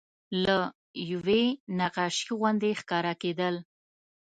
لکه یوه نقاشي غوندې ښکاره کېدل.